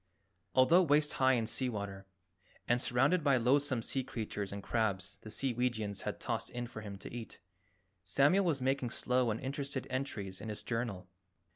Although waist high in sea water, and surrounded by loathsome sea creatures and crabs the Seeweegians had tossed in for him to eat, Samuel was making slow and interested entries in his journal.